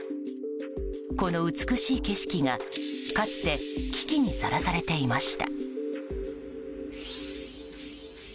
この美しい景色が、かつて危機にさらされていました。